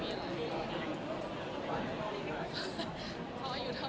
เพราะว่าอายุเท่าไหร่ค่ะ